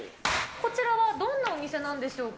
こちらはどんなお店なんでしょうか。